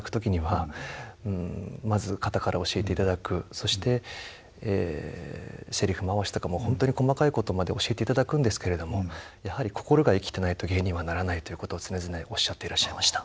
そしてセリフ回しとかも本当に細かいことまで教えていただくんですけれどもやはり心が生きてないと芸にはならないということを常々おっしゃっていらっしゃいました。